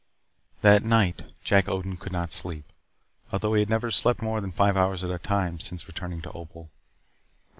That night Jack Odin could not sleep, although he had never slept more than five hours at a time since returning to Opal.